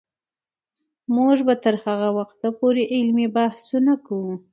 موږ به تر هغه وخته پورې علمي بحثونه کوو.